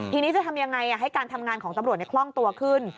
ทีนี้จะทำยังไงให้การทำงานของตำรวจคล่องตัวขึ้น